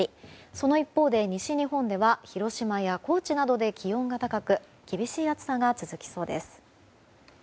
その一方で西日本では広島や高知などで気温が高く厳しい暑さが続きそうです。